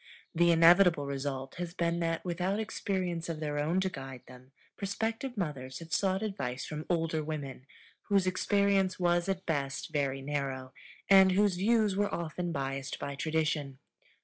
The inevitable result has been that, without experience of their own to guide them, prospective mothers have sought advice from older women, whose experience was at best very narrow, and whose views were often biased by tradition.